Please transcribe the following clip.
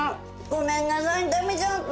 ごめんなさい食べちゃった！